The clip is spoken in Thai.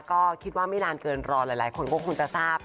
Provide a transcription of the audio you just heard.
ก็คิดว่าไม่นานเกินรอหลายคนก็คงจะทราบ